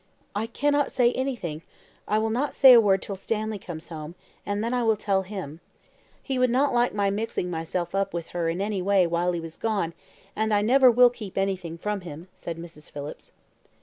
"I cannot say anything I will not say a word till Stanley comes home, and then I will tell him. He would not like my mixing myself up with her in any way when he was gone, and I never will keep anything from him," said Mrs. Phillips.